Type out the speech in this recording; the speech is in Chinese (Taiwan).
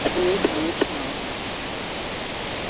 福和橋